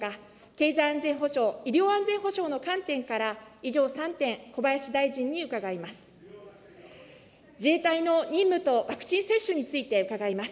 経済安全保障、医療安全保障の観点から、以上、３点、小林大臣に伺います。